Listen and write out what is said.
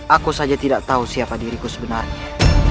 aku saja tidak tahu siapa diriku sebenarnya